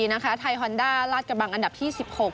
นะคะไทยฮอนดาราชกระบังอันดับที่สิบหก